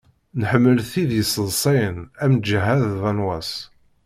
Nḥemmel tid yesseḍsayen am Ǧeḥḥa d Banwas.